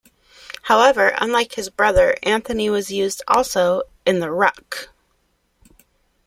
However, unlike his brother, Anthony was used also in the ruck.